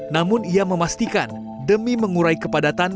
namun ia memastikan demi mengurai kepadatan